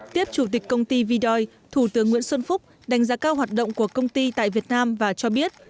tiếp chủ tịch công ty vidoi thủ tướng nguyễn xuân phúc đánh giá cao hoạt động của công ty tại việt nam và cho biết